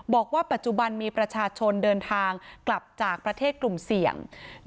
บอกว่าปัจจุบันมีประชาชนเดินทางกลับจากประเทศกลุ่มเสี่ยง